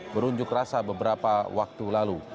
berunjuk rasa beberapa waktu lalu